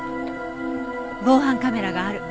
防犯カメラがある。